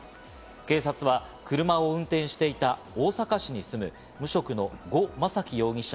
警察は車を運転していた大阪市に住む無職の呉昌樹容疑者